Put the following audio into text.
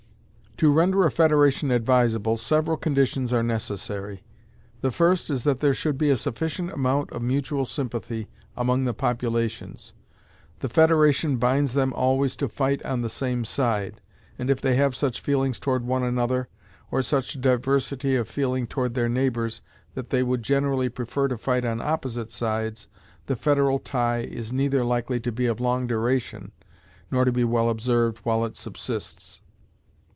To render a federation advisable several conditions are necessary. The first is that there should be a sufficient amount of mutual sympathy among the populations. The federation binds them always to fight on the same side; and if they have such feelings toward one another, or such diversity of feeling toward their neighbors that they would generally prefer to fight on opposite sides, the federal tie is neither likely to be of long duration, nor to be well observed while it subsists.